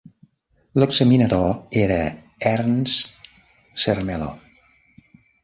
L'examinador era Ernst Zermelo.